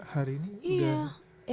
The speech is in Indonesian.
hari ini udah